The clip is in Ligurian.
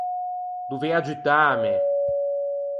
Dovei aggiuttâme!